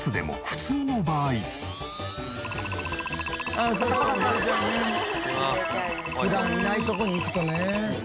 「普段いないとこに行くとね」